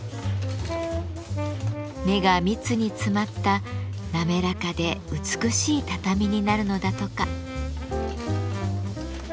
目が密に詰まった滑らかで美しい畳になるのだとか。